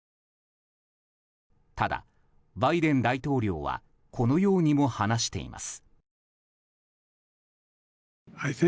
ただ、バイデン大統領はこのようにも話しています。